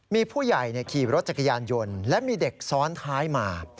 มีผู้ใหญ่ขี่รถจักรยานยนต์และมีเด็กซ้อนท้ายมา